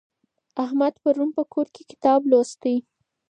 احمد پرون په کور کي کتاب لوستی.